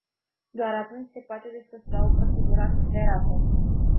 Doar atunci se poate desfășura o procedură accelerată.